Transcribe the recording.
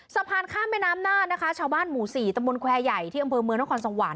สะพานข้ามแม่น้ำน่านนะคะชาวบ้านหมู่๔ตำบลแควร์ใหญ่ที่อำเภอเมืองนครสวรรค